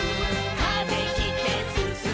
「風切ってすすもう」